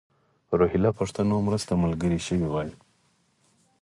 روهیله پښتنو مرسته ملګرې شوې وای.